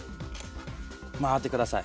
回ってください。